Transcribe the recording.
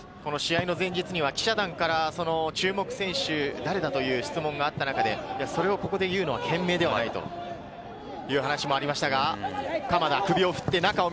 試合の前日には記者団から注目選手は誰だという質問があった中で、それをここで言うのは賢明ではないという話もありましたが。